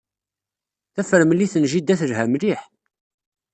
Tafremlit n jida telha mliḥ.